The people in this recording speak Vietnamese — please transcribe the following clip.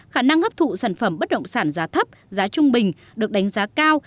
khả năng hấp thụ sản phẩm bất động sản giá thấp giá trung bình được đánh giá cao